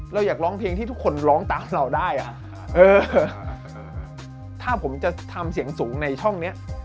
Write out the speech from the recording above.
เราอยากร้องเพลงที่ทุกคนร้องตามเราได้อ่ะเออถ้าผมจะทำเสียงสูงในช่องเนี้ย